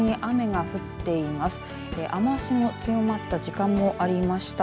雨足も強まった時間もありました。